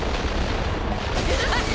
アハハハ！